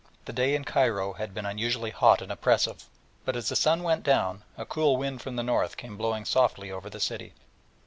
The day in Cairo had been unusually hot and oppressive, but as the sun went down, a cool wind from the north came blowing softly over the city.